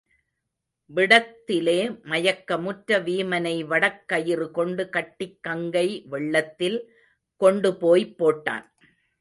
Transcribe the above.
விடத்– திலே மயக்கமுற்ற வீமனை வடக்கயிறு கொண்டு கட்டிக் கங்கை வெள்ளத்தில் கொண்டு போய்ப் போட்டான்.